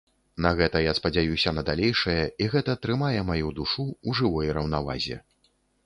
На гэта я спадзяюся на далейшае і гэта трымае маю душу ў жывой раўнавазе.